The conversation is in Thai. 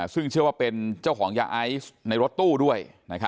ซึ่งเชื่อว่าเป็นเจ้าของยาไอซ์ในรถตู้ด้วย